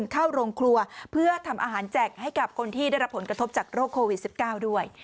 เข้าโรงครัวเพื่อทำอาหารแจกให้กับคนที่ได้รับผลกระทบจากโรคโควิด๑๙ด้วย